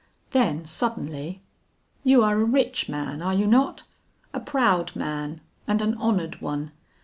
Then suddenly, 'You are a rich man, are you not? a proud man and an honored one.